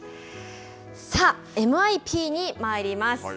さあＭＩＰに参ります。